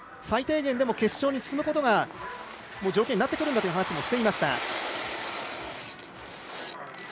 最低限でも決勝に進むことが条件になるんだという話もしていました。